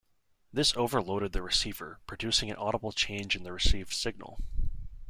This overloaded the receiver, producing an audible change in the received signal.